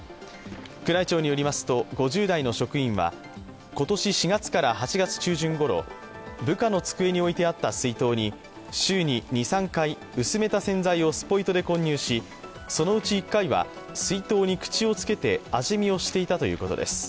宮内庁によりますと５０代の職員は今年４月から８月中旬ごろ、部下の机に置いてあった水筒に、週に２３回、薄めた洗剤をスポイトで混入しそのうち１回は水筒に口をつけて味見をしていたということです。